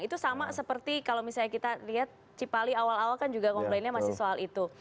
itu sama seperti kalau misalnya kita lihat cipali awal awal kan juga komplainnya masih soal itu